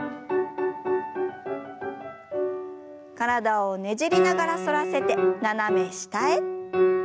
体をねじりながら反らせて斜め下へ。